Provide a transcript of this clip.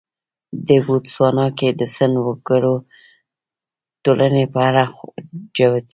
د بوتسوانا کې د سن وګړو ټولنې په اړه جوتېږي.